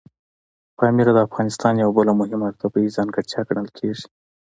پامیر د افغانستان یوه بله مهمه طبیعي ځانګړتیا ګڼل کېږي.